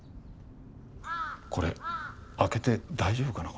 これ開けて大丈夫かな？